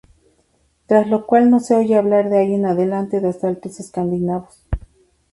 Tras lo cual no se oye hablar de ahí en adelante de asaltos escandinavos.